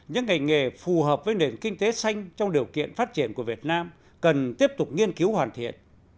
những ngành nghề phù hợp với nền kinh tế xanh trong điều kiện phát triển của việt nam cần tiếp tục nghiên cứu hoàn thiện